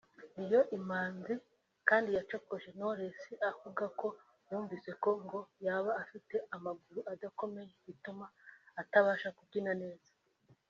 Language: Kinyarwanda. Lion Imanzi kandi yacokoje Knowless avuga ko yumvise ko ngo yaba afite amaguru adakomeye bituma atabasha kubyina neza